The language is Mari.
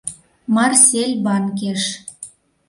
— Марсельбанкеш.